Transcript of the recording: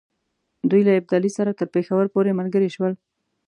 دوی له ابدالي سره تر پېښور پوري ملګري شول.